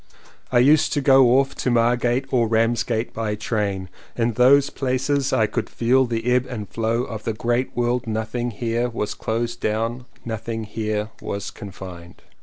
I used to go off to Margate or Ramsgate by tram. In those places I could feel the ebb and flow of the great world — nothing 193 CONFESSIONS OF TWO BROTHERS here was closed down, nothing here was confined.